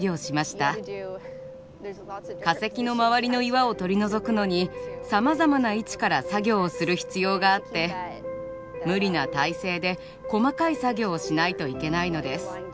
化石の周りの岩を取り除くのにさまざまな位置から作業をする必要があって無理な体勢で細かい作業をしないといけないのです。